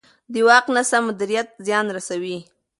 د واک ناسم مدیریت زیان رسوي